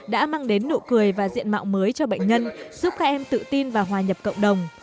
đã mang đến nụ cười và diện mạo mới cho bệnh nhân giúp các em tự tin và hòa nhập cộng đồng